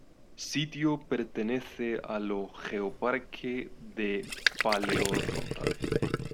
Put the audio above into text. Sitio pertenece a lo geoparque de Paleorrota.